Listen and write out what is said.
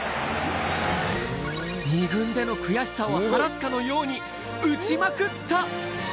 ２軍での悔しさを晴らすかのように、打ちまくった。